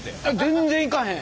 全然いかへん！